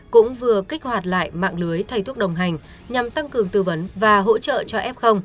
cũng vừa kích hoạt lại mạng lưới thay thuốc đồng hành nhằm tăng cường tư vấn và hỗ trợ cho f